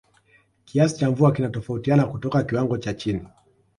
Kiasi cha mvua kinatofautiana kutoka kiwango cha chini